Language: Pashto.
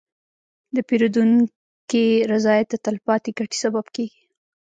د پیرودونکي رضایت د تلپاتې ګټې سبب کېږي.